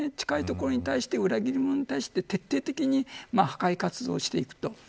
近いところに対して裏切り者に対して徹底的に破壊活動をしていくと。